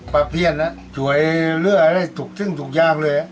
ประเภทช่วยเหลืออะไรถูกซึ่งถูกยางเลย